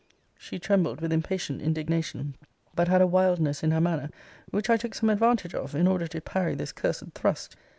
She trembled with impatient indignation; but had a wildness in her manner, which I took some advantage of, in order to parry this cursed thrust.